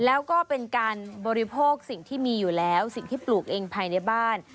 แล้วก็เป็นการบริโภคสิ่งที่มีอยู่แล้วสิ่งที่ปลูกเองภายในบ้าน